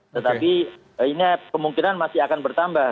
tetapi ini kemungkinan masih akan bertambah